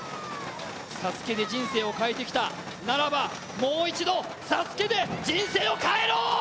ＳＡＳＵＫＥで人生を変えてきた、ならばもう一度ＳＡＳＵＫＥで人生を変えろ。